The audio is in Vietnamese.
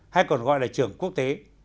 hay còn gọi là trường quốc tế